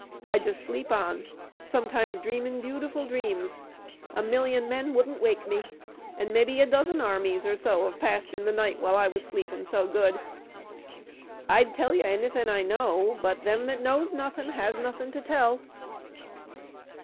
I just sleep on, sometimes dreamin' beautiful dreams. A million men wouldn't wake me, an' mebbe a dozen armies or so have passed in the night while I was sleepin' so good. I'd tell you anything I know, but them that knows nothin' has nothin' to tell."